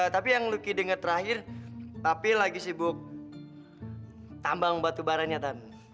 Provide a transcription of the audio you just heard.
tapi yang lucky denger terakhir papi lagi sibuk tambang batu barangnya tan